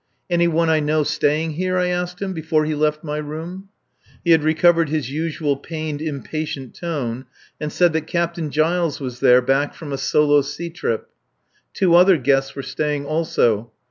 "Any one I know staying here?" I asked him before he left my room. He had recovered his usual pained impatient tone, and said that Captain Giles was there, back from a Solo Sea trip. Two other guests were staying also.